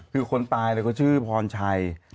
คือคนตายแล้วก็ชื่อพรชัย